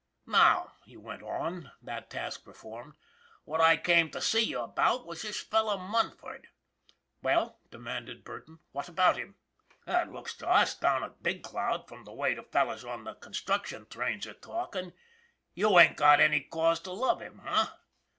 " Now," he went on, that task performed, " what I came to see you about was this fellow Munford." "Well," demanded Burton, "what about him?" " It looks to us down to Big Cloud, from the way the fellows on the construction trains are talkin', you ain't got any cause to love him, eh?